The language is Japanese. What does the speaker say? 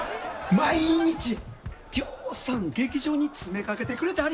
毎日ぎょうさん劇場に詰めかけてくれてはります。